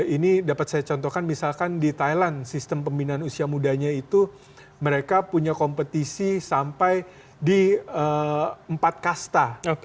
ini dapat saya contohkan misalkan di thailand sistem pembinaan usia mudanya itu mereka punya kompetisi sampai di empat kasta